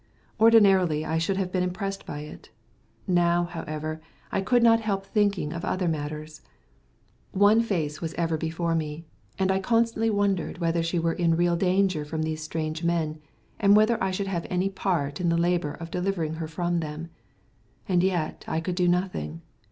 Ordinarily I should have been impressed by it. Now, however, I could not help thinking of other matters. One face was ever before me, and I constantly wondered whether she were in real danger from these strange men, and whether I should have any part in the labour of delivering her from them. As yet I could do nothing.